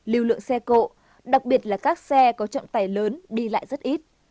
lưu lượng xe cộ đặc biệt là các xe có trọng tài lớn đi lại rất ít